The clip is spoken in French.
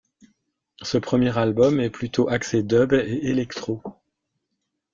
Ce premier album est plutôt axé dub et électro.